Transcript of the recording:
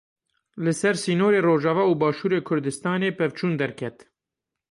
Li ser sînorê Rojava û Başûrê Kurdistanê pevçûn derket.